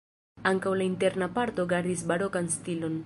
Ankaŭ la interna parto gardis barokan stilon.